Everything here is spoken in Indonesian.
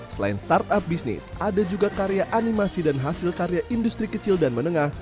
selain startup bisnis ada juga karya animasi dan hasil karya industri kecil dan menengah